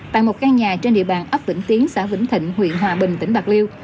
tại một căn nhà trên địa bàn ấp vĩnh tiến xã vĩnh thịnh huyện hòa bình tỉnh bạc liêu